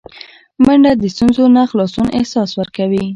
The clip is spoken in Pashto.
منډه د ستونزو نه خلاصون احساس ورکوي